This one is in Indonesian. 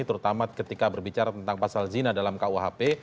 terutama ketika berbicara tentang pasal zina dalam kuhp